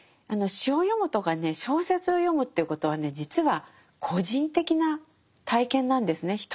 あの詩を読むとかね小説を読むということはね実は個人的な体験なんですね。